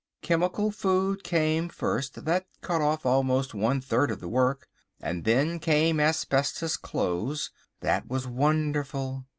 Chemical Food came first: that cut off almost one third of the work, and then came Asbestos Clothes. That was wonderful!